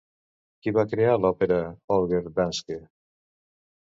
Qui va crear l'òpera Holger Danske?